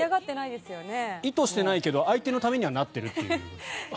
意図してないけど相手のためにはなっている。